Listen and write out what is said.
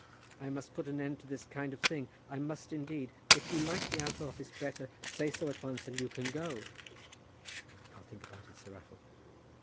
I must put an end to this kind of thing. I must, indeed. If you like the outer office better say so at once, and you can go." "I'll think about it, Sir Raffle."